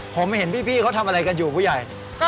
ผมเห็นพี่เขาทำอะไรกันอยู่ผู้ใหญ่